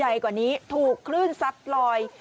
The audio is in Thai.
ใหญ่กว่านี้ถูกคลื่นซัดลอย